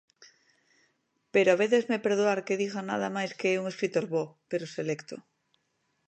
Pero habédesme perdoar que diga nada máis que é un escritor bo, pero selecto.